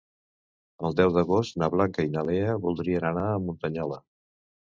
El deu d'agost na Blanca i na Lea voldrien anar a Muntanyola.